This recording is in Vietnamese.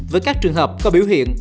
với các trường hợp có biểu hiện